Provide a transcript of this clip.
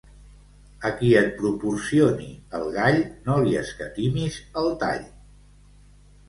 A qui et proporcioni el gall, no li escatimis el tall.